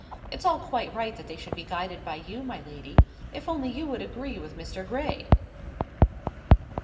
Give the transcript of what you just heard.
It's all quite right that they should be guided by you, my lady,—if only you would agree with Mr. Gray."